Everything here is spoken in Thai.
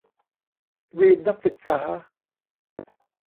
วีนนักศึกษา